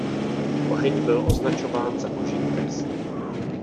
Oheň byl označován za Boží trest.